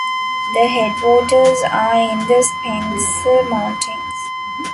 The headwaters are in the Spenser Mountains.